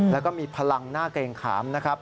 แล้วก็มีพลังน่าเกรงขามนะครับ